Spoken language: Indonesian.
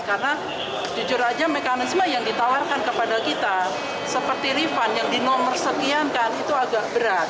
karena jujur aja mekanisme yang ditawarkan kepada kita seperti refund yang dinomor sekian kan itu agak berat